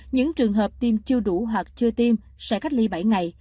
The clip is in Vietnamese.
những trường hợp tiêm chưa đủ hoặc chưa tiêm sẽ cách ly bảy ngày